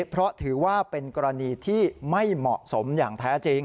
เพราะถือว่าเป็นกรณีที่ไม่เหมาะสมอย่างแท้จริง